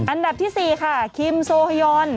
อันดับที่๔ค่ะคิมโซฮยอน